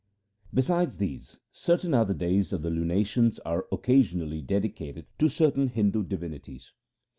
Besides these certain other days of the lunations are occasionally dedicated to certain Hindu divinities.